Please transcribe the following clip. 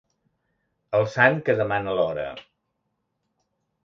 El sant que demana l'hora.